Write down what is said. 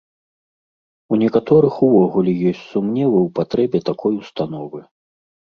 У некаторых увогуле ёсць сумневы ў патрэбе такой установы.